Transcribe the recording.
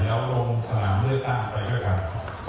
แล้วลงสนามเมืองต่างไปด้วยครับ